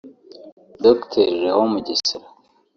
Dr Leon Mugesera